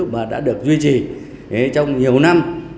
và đã được duy trì trong nhiều năm